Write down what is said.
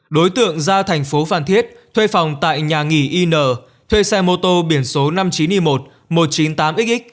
đối tượng ra thành phố phan thiết thuê phòng tại nhà nghỉ in thuê xe mô tô biển số năm mươi chín i một trăm chín mươi tám xx